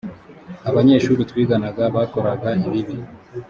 abanyeshuri twiganaga bakoraga ibibi